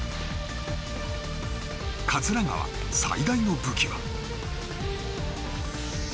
桂川最大の武器は。